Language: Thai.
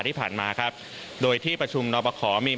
ติดตามจากคุณเจนศักดิ์